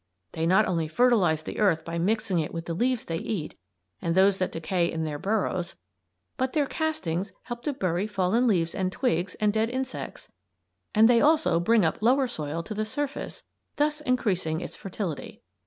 They not only fertilize the earth by mixing it with the leaves they eat and those that decay in their burrows, but their castings help to bury fallen leaves and twigs and dead insects, and they also bring up lower soil to the surface, thus increasing its fertility.